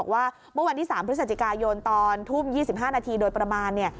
ว่าเมื่อวันที่๓พฤศจิกายนตอนทุ่ม๒๕นาทีโดยประมาณเนี่ย